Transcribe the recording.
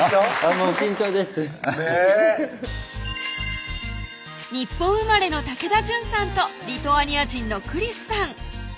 もう緊張ですねぇ日本生まれの竹田純さんとリトアニア人のクリスさん